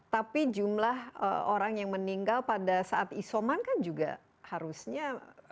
tapi jumlah orang yang meninggal pada saat isoman kan juga harusnya